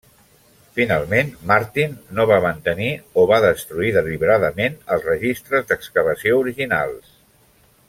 Finalment, Martin no va mantenir o va destruir deliberadament els registres d'excavació originals.